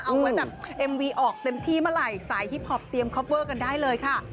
เอาไว้แบบเอ็มวีออกเต็มที่เมื่อไหร่สายฮิปพอปเตรียมคอปเวอร์กันได้เลยค่ะ